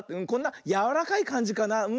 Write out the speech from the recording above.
こんなやわらかいかんじかな。